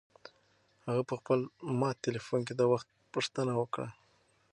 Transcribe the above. هغه په خپل مات تلیفون کې د وخت پوښتنه وکړه.